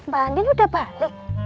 bu andien udah balik